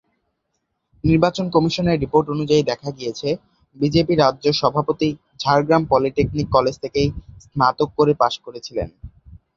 নির্বাচন কমিশনের রিপোর্ট অনুযায়ী দেখা গিয়েছে, বিজেপি রাজ্য সভাপতি ঝাড়গ্রাম পলিটেকনিক কলেজ থেকেই স্নাতক স্তরে পাস করেছিলেন।